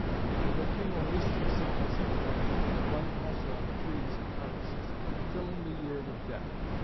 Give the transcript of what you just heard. But there came a wasting sickness on the men, and a blight also on the trees and harvests, filling the year with death.